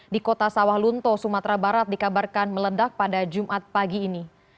di kota sawah lunto sumatera barat dikabarkan meledak pada jumat pagi ini